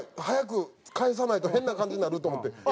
早く返さないと変な感じになると思って。